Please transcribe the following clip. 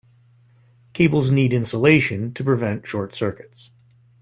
Cables need insulation to prevent short circuits.